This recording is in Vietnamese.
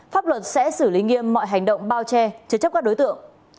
pháp luật sẽ xử lý nghiêm mọi hành động bao che chế chấp các đối tượng